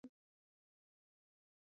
اتڼ دطالبانو هډوکے دچرګانو